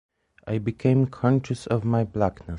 I became conscious of my blackness.